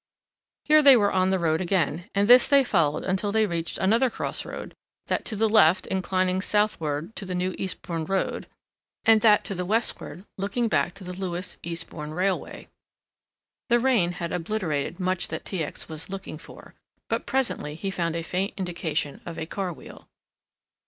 Here they were on the road again and this they followed until they reached another cross road that to the left inclining southward to the new Eastbourne Road and that to the westward looking back to the Lewes Eastbourne railway. The rain had obliterated much that T. X. was looking for, but presently he found a faint indication of a car wheel.